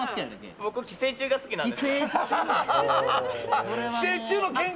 僕は寄生虫が好きなんです。